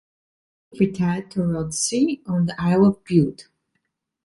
Reid retired to Rothesay on the Isle of Bute.